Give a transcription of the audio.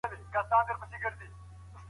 موږ د خپلو مشرانو خبرو ته غوږ نيولی و.